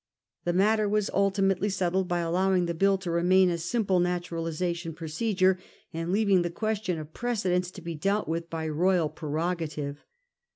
The matter was ultimately settled by allowing the bill to remain a simple naturalisation measure, and leaving the question of precedence to be dealt with by Royal prerogative.